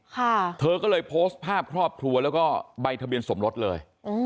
เธอก็เลยโพสต์ภาพครอบครัวแล้วก็ใบทะเบียนสมรสเลยอืม